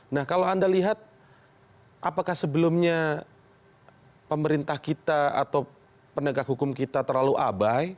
nah kalau anda lihat apakah sebelumnya pemerintah kita atau penegak hukum kita terlalu abai